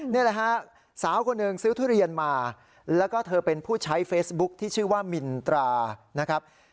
นี่แหละฮะสาวคนหนึ่งซื้อทุเรียนมาแล้วก็เธอเป็นผู้ใช้เฟซบุ๊คที่ชื่อว่ามินตรานะครับ